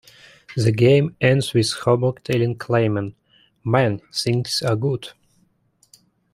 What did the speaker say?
The game ends with Hoborg telling Klaymen "Man, things are good".